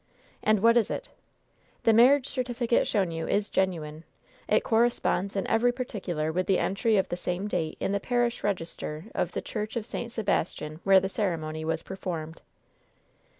"And what is it?" "The marriage certificate shown you is genuine. It corresponds in every particular with the entry of the same date in the parish register of the church of St. Sebastian where the ceremony was performed."